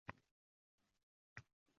Umid unga sabot berdi